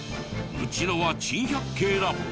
うちのは珍百景だ！